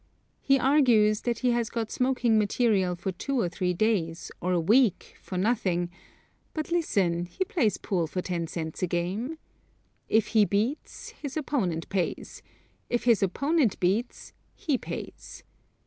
He argues that he has got smoking material for two or three days or a week for nothing, but listen: He plays pool for ten cents a game. If he beats, his opponent pays; if his opponent beats, he pays.